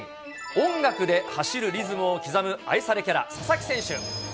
音楽で走るリズムを刻む愛されキャラ、佐々木選手。